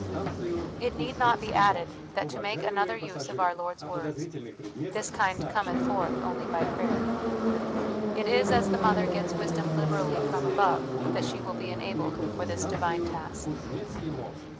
It need not be added that, to make another use of our Lord's words, " this kind cometh forth only by prayer." It is as the mother gets wisdom liberally from above, that she will be enabled for this divine task.